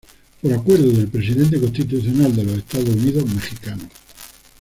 Por acuerdo del presidente constitucional de los Estados Unidos Mexicanos.